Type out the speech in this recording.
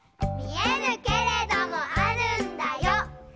「見えぬけれどもあるんだよ」